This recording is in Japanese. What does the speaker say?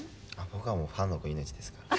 「僕はファンの子命ですから」